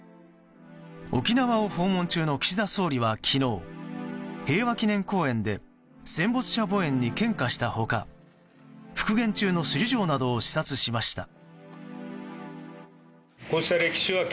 沖縄を訪問中の岸田総理は昨日平和祈念公園で戦没者墓苑に献花した他復元中の首里城などを視察しました。